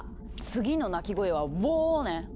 次の鳴き声は「ウォー！」ね。